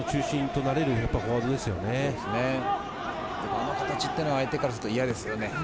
この形は相手からすると嫌ですよね。